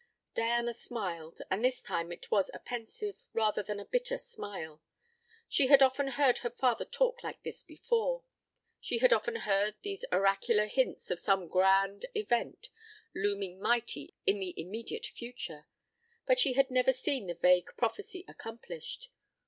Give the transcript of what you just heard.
Diana smiled, and this time it was a pensive rather than a bitter smile. She had often heard her father talk like this before. She had often heard these oracular hints of some grand event looming mighty in the immediate future; but she had never seen the vague prophecy accomplished.